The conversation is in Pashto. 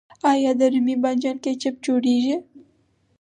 آیا د رومي بانجان کیچپ جوړیږي؟